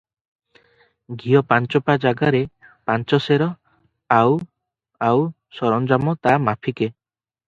ଘିଅ ପାଞ୍ଚପା ଜାଗାରେ ପାଞ୍ଚ ସେର, ଆଉ ଆଉ ସରଞ୍ଜାମ ତା ମାଫିକେ ।